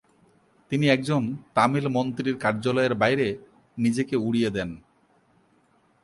তিনি একজন তামিল মন্ত্রীর কার্যালয়ের বাইরে নিজেকে উড়িয়ে দেন।